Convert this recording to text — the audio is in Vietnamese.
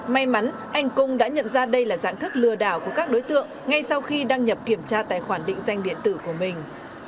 may mắn anh cung đã nhận ra đây là dạng thức lừa đảo của các đối tượng ngay sau khi đăng nhập kiểm tra tài khoản định danh điện tử của mình